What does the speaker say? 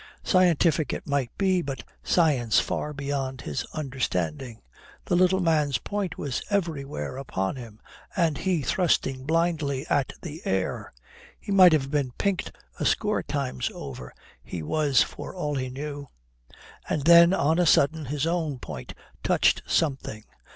Scientific it might be, but science far beyond his understanding. The little man's point was everywhere upon him and he thrusting blindly at the air. He might have been pinked a score times over, he was for all he knew. And then on a sudden his own point touched something.